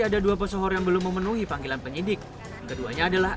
eka dan elo masih ada dua pesohor yang belum memenuhi panggilan penyidik keduanya adalah